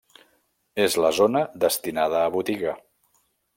És la zona destinada a botiga.